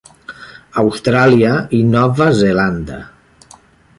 Austràlia i Nova Zelanda.